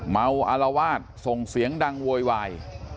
อารวาสส่งเสียงดังโวยวาย